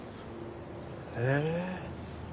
へえ。